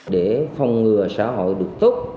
để phòng ngừa xã hội được tốt